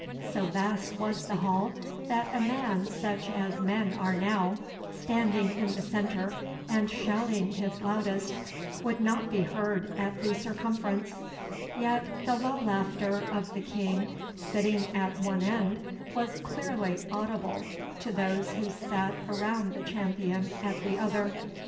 So vast was the hall that a man such as men are now, standing in the centre and shouting his loudest, would not be heard at the circumference; yet the low laughter of the King sitting at one end was clearly audible to those who sat around the Champion at the other.